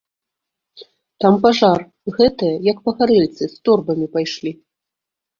Там пажар, гэтыя, як пагарэльцы, з торбамі пайшлі.